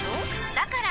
だから！